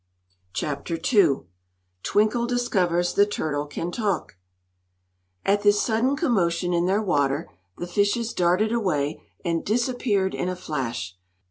Chapter II Twinkle Discovers the Turtle Can Talk AT this sudden commotion in their water, the fishes darted away and disappeared in a flash.